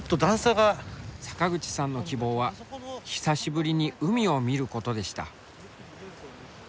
坂口さんの希望は久しぶりに海を見ることでした。